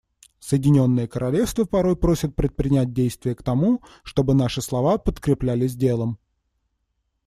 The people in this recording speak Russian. Соединенное Королевство порой просят предпринять действия к тому, чтобы наши слова подкреплялись делом.